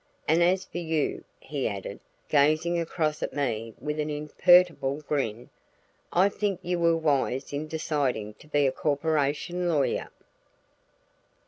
And as for you," he added, gazing across at me with an imperturbable grin, "I think you were wise in deciding to be a corporation lawyer."